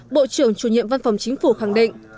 bộ trưởng chủ nhiệm văn phòng chính phủ khẳng định